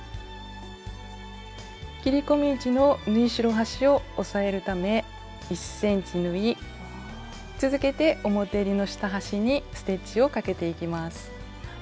切り込み位置の縫い代端を押さえるため１ｃｍ縫い続けて表えりの下端にステッチをかけていきます。